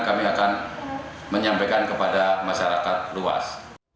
kami akan menyampaikan kepada masyarakat luas